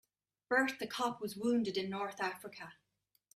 Bert the cop was wounded in North Africa.